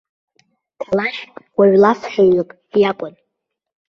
Қалашь уаҩ лафҳәаҩык иакәын.